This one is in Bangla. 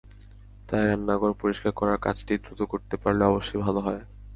তাই রান্নাঘর পরিষ্কার করার কাজটি দ্রুত করতে পারলে অবশ্যই ভালো হয়।